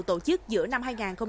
tổ chức giữa năm hai nghìn hai mươi ba